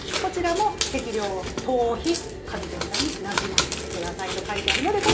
適量を頭皮、髪全体になじませてくださいと書いてあるので。